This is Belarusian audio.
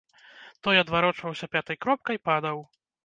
Той адварочваўся пятай кропкай, падаў.